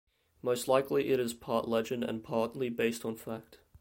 Most likely it is part legend and partly based on fact.